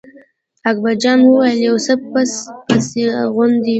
اکبر جان وویل: یو څه پس پسي غوندې و.